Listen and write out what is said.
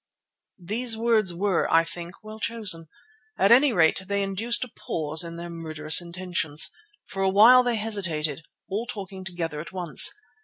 These words were, I think, well chosen; at any rate they induced a pause in their murderous intentions. For a while they hesitated, all talking together at once.